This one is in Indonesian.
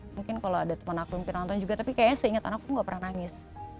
mungkin kalau ada teman aku yang pengen nonton juga tapi kayaknya seingatan aku gak pernah nangis